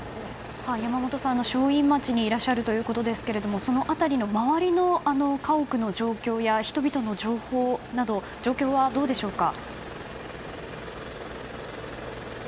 山本さん、正院町にいらっしゃるということですがその辺りの周りの家屋の情報や人々の状況などはどうでしょうか？